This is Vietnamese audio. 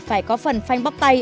phải có phần phanh bóc tay